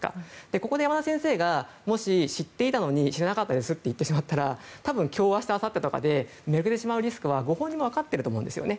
ここで山田先生がもし知っていたのに知らなかったですと言ってしまったら多分今日、明日、あさってとかでめくれてしまうリスクはご本人も分かっていると思うんですよね。